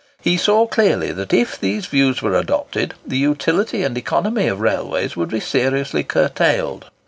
He saw clearly that if these views were adopted, the utility and economy of railways would be seriously curtailed.